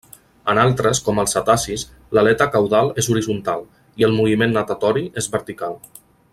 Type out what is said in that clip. En altres, com els cetacis, l'aleta caudal és horitzontal, i el moviment natatori és vertical.